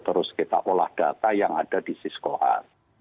terus kita olah data yang ada di siskoar